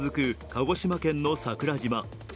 鹿児島県の桜島。